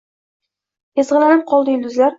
Ezg‘ilanib qoldi yulduzlar